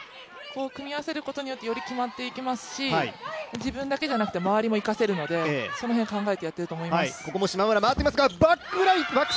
こう組み合わせることによって、より決まっていきますし、自分だけじゃなくて周りも生かせるのでその辺を考えてやっていると思います。